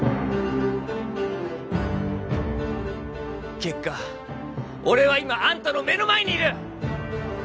結果俺は今アンタの目の前にいる！